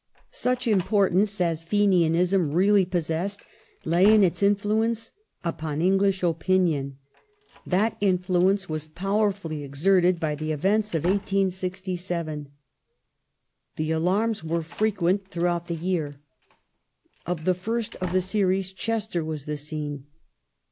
Such importance as Fenianism really possessed lay in its influence in Eng upon English opinion. That influence was powerfully exerted by Chester the events of 1867. The alarms were frequent throughout the Castle year. Of the first of the series Chester was the scene.